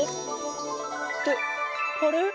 ってあれ？